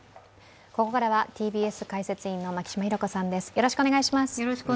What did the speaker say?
ここからはＴＢＳ解説委員の牧嶋博子さんです。